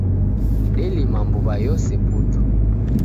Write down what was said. Delima mbuw'a yose putu.